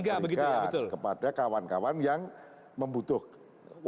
berikan kepada kawan kawan yang membutuhkan